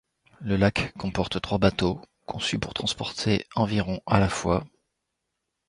Ce lac comporte trois bateaux conçus pour transporter environ à la fois.